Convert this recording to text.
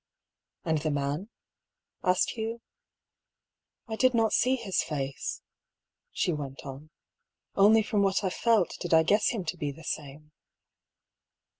" And the man ?" asked Hugh. " I did not see his face," she went on. " Only from what I felt did I guess him to be the same."